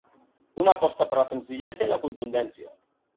Una aposta per la senzillesa i la contundència.